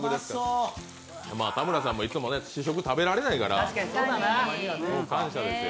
田村さんもいつも試食食べられないから、感謝ですよ